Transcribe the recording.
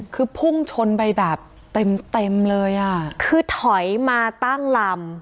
คือพุ่งชนไปแบบเต็มเต็มเลยอ่ะคือถอยมาตั้งลำ